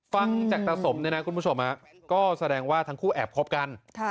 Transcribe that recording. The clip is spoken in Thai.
ฟังจากตาสมเนี่ยนะคุณผู้ชมก็แสดงว่าทั้งคู่แอบคบกัน